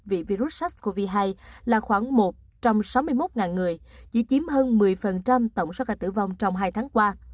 vì virus sars cov hai là khoảng một trăm sáu mươi một người chỉ chiếm hơn một mươi tổng số ca tử vong trong hai tháng qua